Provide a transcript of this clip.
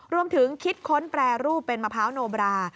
คิดค้นแปรรูปเป็นมะพร้าวโนบรา